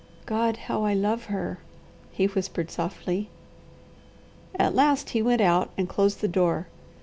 "God, how I love her!" he whispered softly. At last he went out and closed the door.